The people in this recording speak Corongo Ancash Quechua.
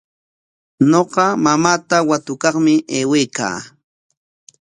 Ñuqa mamaata watukaqmi aywaykaa.